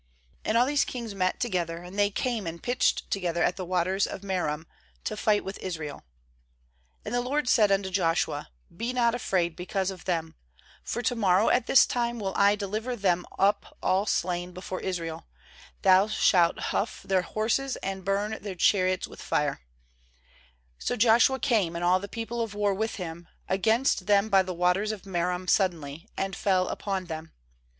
5And all these kings met together; and they came and pitched together at the waters of Merom, to fight with Israel. 6And the LORD said unto Joshua: 'Be not afraid because of them; for to morrow at this time will I deliver them up all slain before Israel; thou shalt hough their horses, and burn their chariots with fire/ 7So Joshua came, and all the people of war with him, against them by the waters of Merom suddenly, and fell upon them.